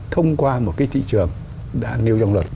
thông qua một cái thị trường đã nêu dòng luật